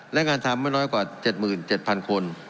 และงานทำไม่น้อยกว่า๗๗๐๐คน